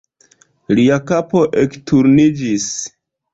Lia kapo ekturniĝis.